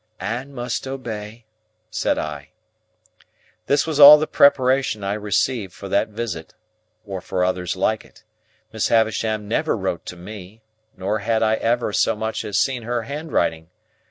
"And must obey," said I. This was all the preparation I received for that visit, or for others like it; Miss Havisham never wrote to me, nor had I ever so much as seen her handwriting.